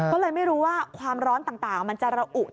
ก็เลยไม่รู้ว่าความร้อนต่างมันจะระอุ